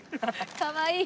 かわいい。